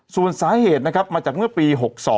ส่วนสาเหตุนะครับมาจากเมื่อปี๖๒